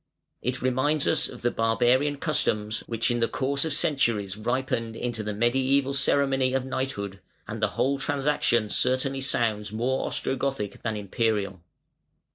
It reminds us of the barbarian customs which in the course of centuries ripened into the mediæval ceremony of knighthood, and the whole transaction certainly sounds more Ostrogothic than Imperial.